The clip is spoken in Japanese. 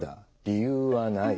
理由はない。